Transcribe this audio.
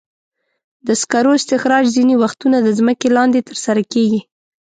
د سکرو استخراج ځینې وختونه د ځمکې لاندې ترسره کېږي.